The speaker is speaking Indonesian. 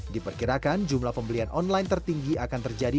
diperkirakan jumlah pembelian online tertinggi akan terjadi